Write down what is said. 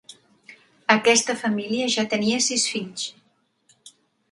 Aquesta família ja tenia sis fills.